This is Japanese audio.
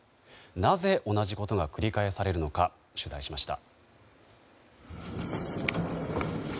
なぜ同じことが繰り返されるのか取材しました。